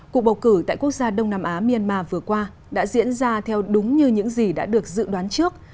cuộc bầu cử tại quốc gia đông nam á myanmar vừa qua đã diễn ra theo đúng như những gì đã được dự đoán trước